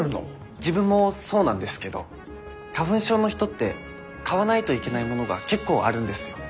自分もそうなんですけど花粉症の人って買わないといけないものが結構あるんですよ。